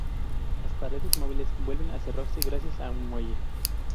Las paredes móviles vuelven a cerrarse gracias a un muelle.